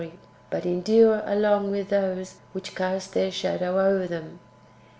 141 toiy, but endure along with those which cast their shadow over them.